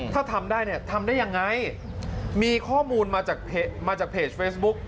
ถ้าทำได้เนี่ยทำได้ยังไงมีข้อมูลมาจากมาจากเพจเฟซบุ๊ก